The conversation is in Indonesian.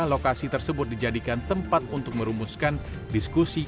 lokasi tersebut dijadikan tempat untuk merumuskan diskusi